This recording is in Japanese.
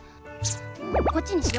こっちにしよ。